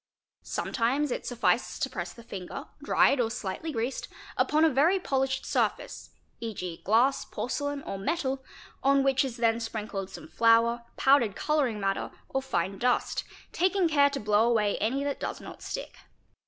Sometimes it suffices to press the finger, dried or slightly greased, upon a very polished ~ surface, e.g., glass, porcelain, or metal, on which is then sprinkled some flour, powdered colouring matter, or fine dust, taking care to blow away — any that does not stick.